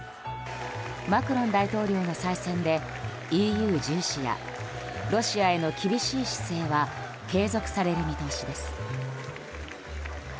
マクロン大統領の再選でＥＵ重視やロシアへの厳しい姿勢は継続される見通しです。